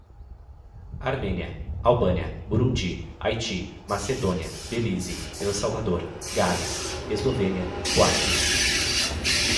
Armênia, Albânia, Burundi, Haiti, Macedônia, Belize, El Salvador, Gales, Eslovênia, Kuwait